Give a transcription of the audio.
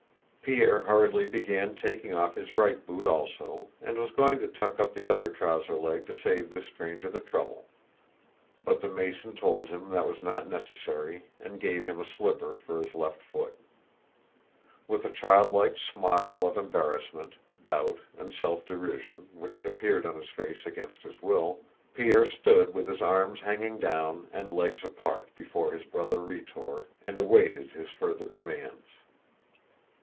Pierre hurriedly began taking off his right boot also and was going to tuck up the other trouser leg to save this stranger the trouble, but the Mason told him that was not necessary and gave him a slipper for his left foot. With a childlike smile of embarrassment, doubt, and self derision, which appeared on his face against his will, Pierre stood with his arms hanging down and legs apart, before his brother Rhetor, and awaited his further commands.